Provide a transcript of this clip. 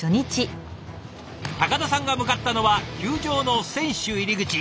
高田さんが向かったのは球場の選手入り口。